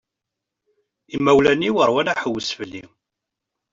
Imawlan-iw rwan aḥewwes fell-i.